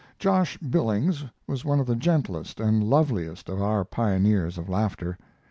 Josh Billings was one of the gentlest and loveliest of our pioneers of laughter.